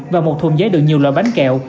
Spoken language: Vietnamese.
và một thùng giấy đựng nhiều loại bánh kẹo